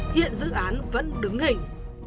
hiện dự án vẫn đứng hình